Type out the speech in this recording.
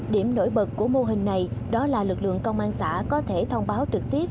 điểm nổi bật của mô hình này đó là lực lượng công an xã có thể thông báo trực tiếp